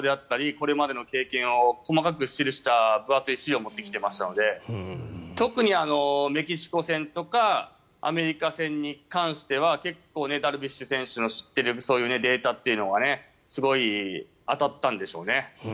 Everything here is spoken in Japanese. これまでの経験を細かく記した分厚い資料を持ってきてましたので特にメキシコ戦とかアメリカ戦に関しては結構、ダルビッシュ選手の知ってるデータというのがすごい当たったんでしょうね。